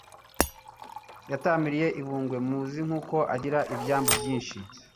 Yatamiriye i Bungwe Muzi n'uko agira n'ibyambu byinshi